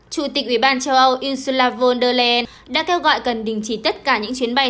chủ tịch ủy ban châu âu ursula von der leyen đã kêu gọi cần đình chỉ tất cả những chuyến bay